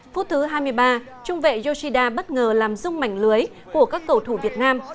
phút thứ hai mươi ba trung vệ yoshida bất ngờ làm rung mảnh lưới của các cầu thủ việt nam